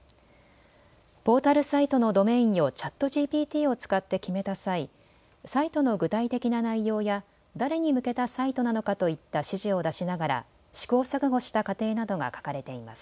ポータルサイトのドメインをＣｈａｔＧＰＴを使って決めた際、サイトの具体的な内容や誰に向けたサイトなのかといった指示を出しながら試行錯誤した過程などが書かれています。